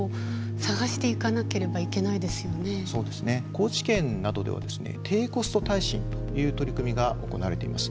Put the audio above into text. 高知県などではですね低コスト耐震という取り組みが行われています。